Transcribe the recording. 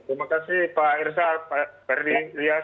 terima kasih pak irsal pak edwin ilyas